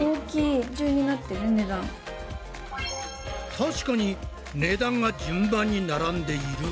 確かに値段が順番に並んでいる。